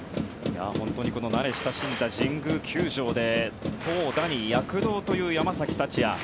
慣れ親しんだ神宮球場で投打に躍動という山崎福也。